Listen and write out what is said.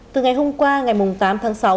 từ ngày hôm qua ngày tám tháng sáu